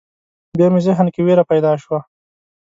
بیا مې ذهن کې وېره پیدا شوه.